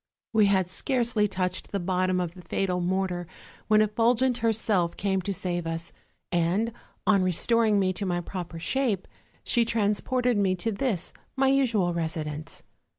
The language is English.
We had scarcely touched the bottom of the fatal mortar, when Effulgent herself came to save 316 OLD. OLD FAIRY TALES. us; and, on restoring me to my proper shape, she trans ported me to this, my usual residence.